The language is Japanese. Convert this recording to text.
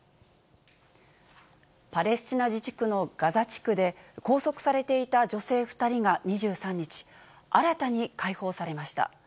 パレスチナ自治区のガザ地区で、拘束されていた女性２人が２３日、新たに解放されました。